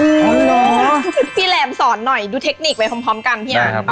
อ๋อหรอพี่แหลมสอนหน่อยดูเทคนิคไปพร้อมพร้อมกันพี่อ่ะได้ครับ